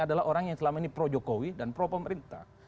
adalah orang yang selama ini pro jokowi dan pro pemerintah